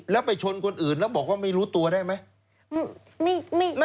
แล้วไปชนคนอื่นแล้วบอกว่าไม่รู้ตัวได้ไหม